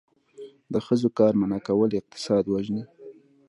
د ښځو کار منع کول اقتصاد وژني.